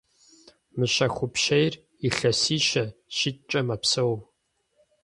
Мыщэхупщейр илъэсищэ – щитӏкӏэ мэпсэу.